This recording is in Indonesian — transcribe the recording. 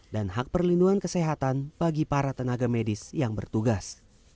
dan hak perlindungan kesehatan bagi para tenaga medis yang bertugas